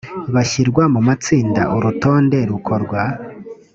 bashyirwa mu matsinda urutonde rukorwa